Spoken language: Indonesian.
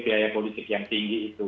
biaya politik yang tinggi itu